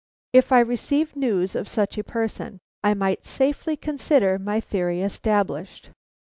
If I received news of such a person, I might safely consider my theory established.